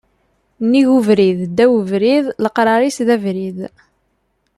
Nnig ubrid, ddaw ubrid, leqrar-is d abrid